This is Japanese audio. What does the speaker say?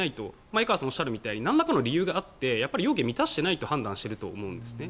前川さんがおっしゃるようになんらかの理由があって要件を満たしていないと判断していると思うんですね。